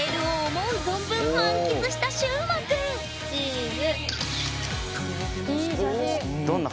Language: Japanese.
チーズ。